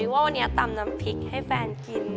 ว่าวันนี้ตำน้ำพริกให้แฟนกิน